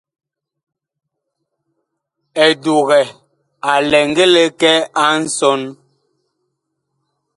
Edukɛ a lɛ ngili kɛ a nsɔn.